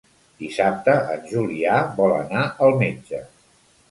Dissabte en Julià vol anar al metge.